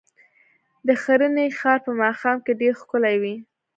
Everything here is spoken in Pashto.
د ښرنې ښار په ماښام کې ډېر ښکلی وي.